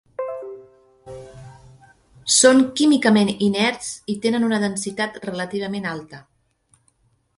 Són químicament inerts i tenen una densitat relativament alta.